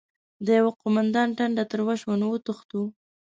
د يوه قوماندان ټنډه تروه شوه: نو وتښتو؟!